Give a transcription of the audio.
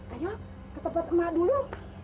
ayo ke tempat emak dulu